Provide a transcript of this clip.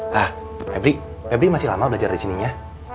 hah ebri ebri masih lama belajar disininya